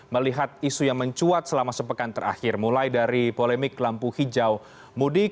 melihat isu yang mencuat selama sepekan terakhir mulai dari polemik lampu hijau mudik